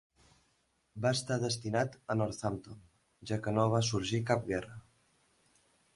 Va estar destinat a Northampton, ja que no va sorgir cap guerra.